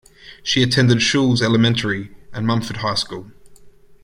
She attended Schulze Elementary and Mumford High School.